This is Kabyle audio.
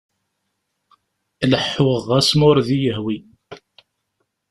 Leḥḥuɣ ɣas ma ur d iy-ihwi.